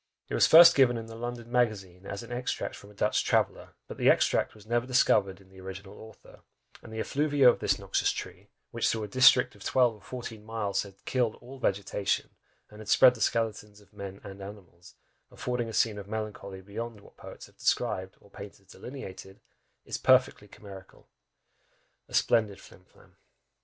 It was first given in the London Magazine, as an extract from a Dutch traveller, but the extract was never discovered in the original author, and "the effluvia of this noxious tree, which through a district of twelve or fourteen miles had killed all vegetation, and had spread the skeletons of men and animals, affording a scene of melancholy beyond what poets have described, or painters delineated," is perfectly chimerical. A splendid flim flam!